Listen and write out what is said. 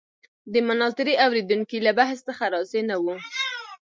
د مناظرې اورېدونکي له بحث څخه راضي نه وو.